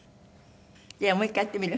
じゃあもう１回やってみる？